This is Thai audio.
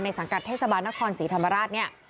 สังกัดเทศบาลนครศรีธรรมราชเนี่ย